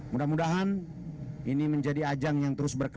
mudah mudahan ini menjadi ajang yang terus berkembang